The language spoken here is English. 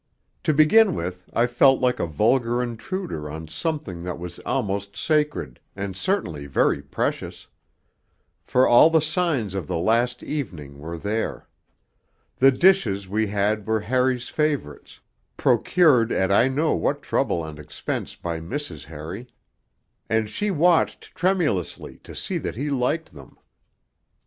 To begin with, I felt like a vulgar intruder on something that was almost sacred, and certainly very precious. For all the signs of the 'last evening' were there. The dishes we had were Harry's favourites, procured at I know what trouble and expense by Mrs. Harry; and she watched tremulously to see that he liked them.